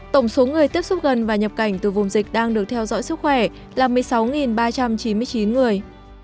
tổng số người tiếp xúc gần và nhập cảnh từ vùng dịch đang được theo dõi sức khỏe là một mươi sáu ba trăm chín mươi chín người